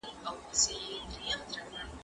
زه اجازه لرم چي شګه پاک کړم،